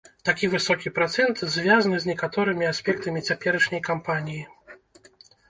Такі высокі працэнт звязны з некаторымі аспектамі цяперашняй кампаніі.